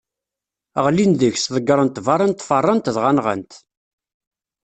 Ɣlin deg-s, ḍeggren-t beṛṛa n tfeṛṛant dɣa nɣan-t.